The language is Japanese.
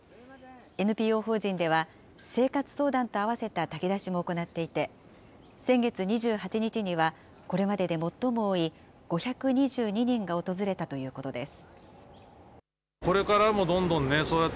ＮＰＯ法人では、生活相談と併せた炊き出しも行っていて、先月２８日には、これまでで最も多い５２２人が訪れたということです。